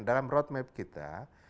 dalam roadmap kita